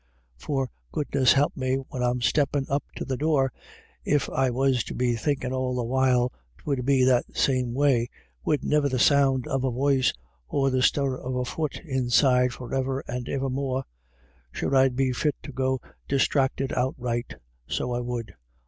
For, goodness help me, when I'm steppin* up to the door, if I was to be thinkin' all the while 'twould be that same way, wid niver the sound of a voice or the stir of a fut inside for iver and iver more — sure I'd be fit to go disthracted outright, so 154 IRISH IDYLLS. I would.